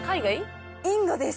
インドです。